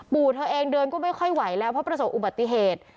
เธอเองเดินก็ไม่ค่อยไหวแล้วเพราะประสบอุบัติเหตุ